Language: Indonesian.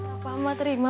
apa amat terima